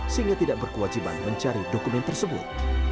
sehingga tidak berkewajiban mencari dokumen tersebut